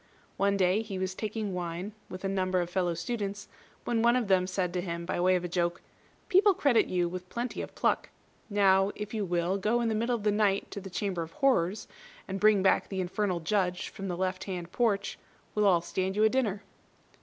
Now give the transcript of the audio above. One day he was taking wine with a number of fellow students, when one of them said to him, by way of a joke, "People credit you with plenty of pluck. Now, if you will go in the middle of the night to the Chamber of Horrors, and bring back the Infernal Judge from the left hand porch, we'll all stand you a dinner."